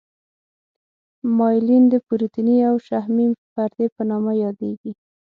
مایلین د پروتیني او شحمي پردې په نامه یادیږي.